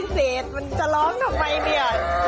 พี่เศษมันจะร้องทำไมนี่